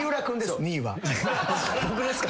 僕ですか？